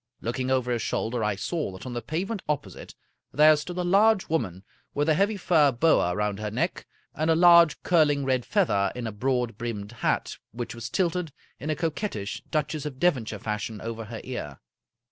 Looking over his shoulder, I saw that on the pavement opposite there stood a large woman with a heavy fur boa round her neck, and a large curling red feather in a broad brimmed hat which was tilted in a co quettish Duchess of Devonshire fashion over her ear.